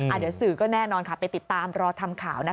เดี๋ยวสื่อก็แน่นอนค่ะไปติดตามรอทำข่าวนะคะ